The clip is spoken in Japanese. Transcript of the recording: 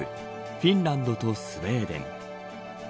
フィンランドとスウェーデン。